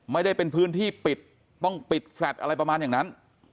ไม่ได้เป็นพื้นที่ปิดต้องปิดแฟลตอะไรประมาณอย่างนั้น